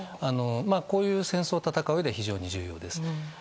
こういう戦争を戦ううえでは非常に重要です。